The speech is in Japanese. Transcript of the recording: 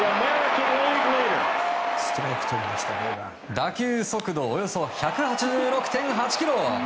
打球速度およそ１８６．８キロ。